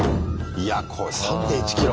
いやこれ３．１ｋｍ。